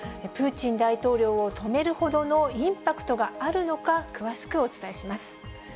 プーチン大統領を止めるほどのインパクトがあるのか、詳しくお伝えします。